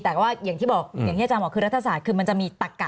แต่ว่าอย่างที่บอกอย่างที่อาจารย์บอกคือรัฐศาสตร์คือมันจะมีตักกะ